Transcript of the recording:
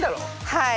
はい。